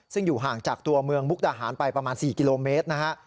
ซึ่งอยู่ห่างจากตัวเมืองมุกดาหารไปประมาณ๔กิโลเมตรนะฮะ